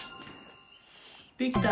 できた！